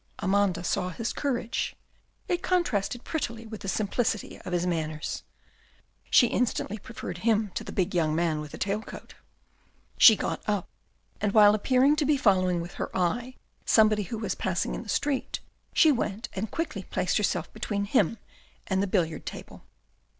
Amanda saw his courage. It contrasted prettily with the simplicity of his manners. She instantly preferred him to the big young man with the tail coat. She got up, and while appearing to be following with her eye somebody who was passing in the street, she went and quickly placed herself between him and the billiard table.